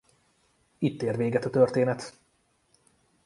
Itt ér véget a történet.